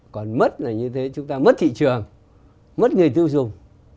còn mất là như thế chúng ta mất thị trường mất người tiêu dùng